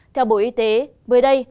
theo bộ y tế bữa đây